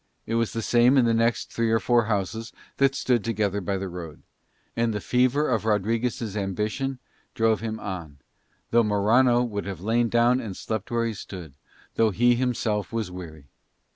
It was the same in the next three or four houses that stood together by the road. And the fever of Rodriguez' ambition drove him on, though Morano would have lain down and slept where they stood, though he himself was weary.